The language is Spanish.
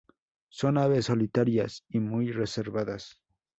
Son aves solitarias y muy reservadas.